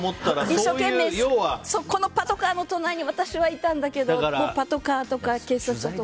そのパトカーの隣に私はいたんだけどパトカーとか警察とか。